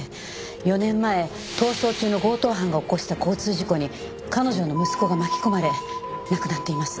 ４年前逃走中の強盗犯が起こした交通事故に彼女の息子が巻き込まれ亡くなっています。